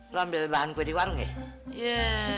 lo ambil bahan kue di warung ya